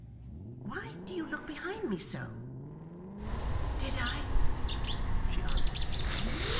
Why do you look behind me so?' 'Did I?' she answered faintly.